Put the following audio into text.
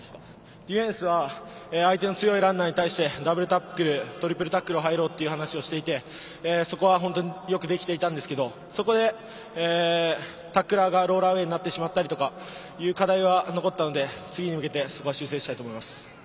ディフェンスは相手の強いランナーに対してダブルタックルトリプルタックル入ろうという話をしていてそこはよくできていたんですがそこで、タックラーがロールアウェイになってしまったりという課題は残ったので、次に向けて修正したいと思います。